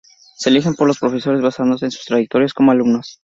Se eligen por los profesores basándose en sus trayectorias como alumnos.